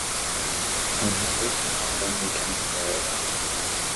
When he moved to Montgomery County, Maryland.